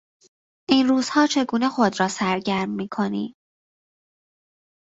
این روزها چگونه خود را سرگرم میکنی؟